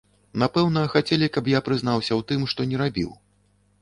Напэўна, хацелі, каб я прызнаўся ў тым, што не рабіў.